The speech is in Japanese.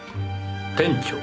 「店長」。